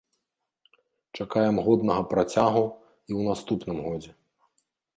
Чакаем годнага працягу і ў наступным годзе.